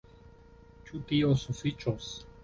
Ĉu tio sufiĉos?